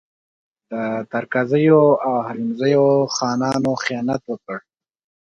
د ترکزیو او حلیمزیو خانانو خیانت وکړ.